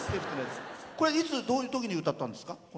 いつ、どういうときに歌ったんですか？